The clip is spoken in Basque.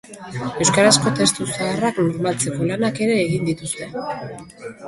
Euskarazko testu zaharrak normalizatzeko lanak ere egin dituzte.